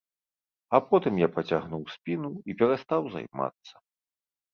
А потым я пацягнуў спіну і перастаў займацца.